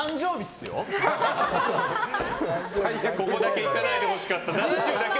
ここだけいかないでほしかった。